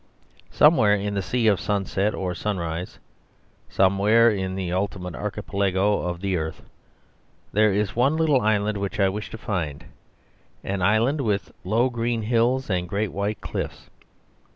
Somewhere in the seas of sunset or of sunrise, somewhere in the ultimate archipelago of the earth, there is one little island which I wish to find: an island with low green hills and great white cliffs.